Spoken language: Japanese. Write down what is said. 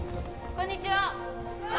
こんにちは